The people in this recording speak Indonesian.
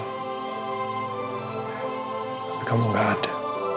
tapi kamu gak ada